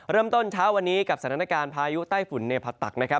เริ่มต้นเช้าวันนี้กับสถานการณ์พายุใต้ฝุ่นเนพาตักนะครับ